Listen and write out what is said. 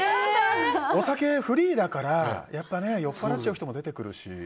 お酒フリーだから酔っ払っちゃう人も出てくるし。